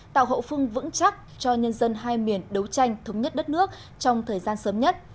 tạo hậu phương vững chắc cho nhân dân hai miền đấu tranh thống nhất đất nước trong thời gian sớm nhất